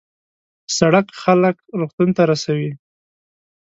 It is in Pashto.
سړک خلک روغتون ته رسوي.